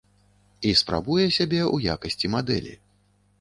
І спрабуе сябе ў якасці мадэлі.